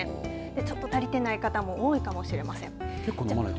ちょっと足りてない方も多いかもしれません。